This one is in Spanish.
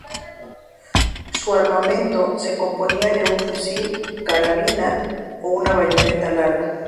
Su armamento se componía de un fusil carabina o una bayoneta larga.